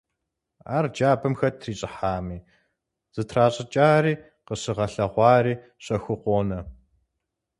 Ар джабэм хэт трищӀыхьами, зытращӀыкӀари къыщыгъэлъэгъуари щэхуу къонэ.